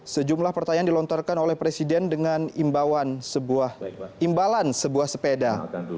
sejumlah pertanyaan dilontarkan oleh presiden dengan imbalan sebuah sepeda